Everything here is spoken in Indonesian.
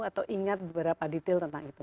atau ingat beberapa detail tentang itu